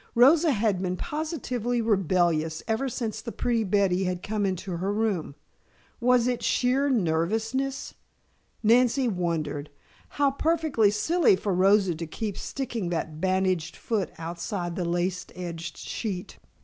Rosa had been positively rebellious ever since the pretty Betty had come into her room. Was it sheer nervousness? Nancy wondered. How perfectly silly for Rosa to keep sticking that bandaged foot outside the lace edged sheet.